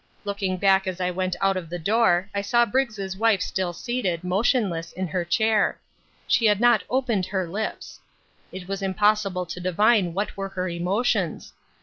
Looking back as I went out of the door I saw Briggs's wife still seated, motionless, in her chair. She had not opened her lips. It was impossible to divine what were her emotions.